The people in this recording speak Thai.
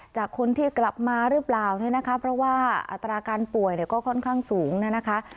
จากคนที่กลับมาหรือเปล่าเนี่ยนะคะเพราะว่าอัตราการป่วยเนี่ยก็ค่อนข้างสูงนะคะ